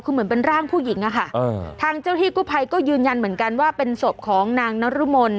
คือเหมือนเป็นร่างผู้หญิงอะค่ะทางเจ้าที่กู้ภัยก็ยืนยันเหมือนกันว่าเป็นศพของนางนรมน